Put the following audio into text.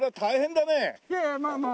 いやいやまあまあ。